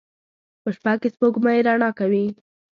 په شپه کې سپوږمۍ رڼا کوي